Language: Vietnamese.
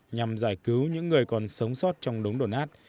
nhằm giải cứu những người còn sống sót trong đống đổ nát